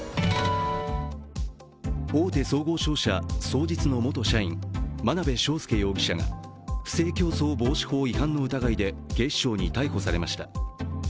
大手総合商社、双日の元社員真鍋昌奨容疑者が不正競争防止法違反の疑いで警視庁に逮捕されました。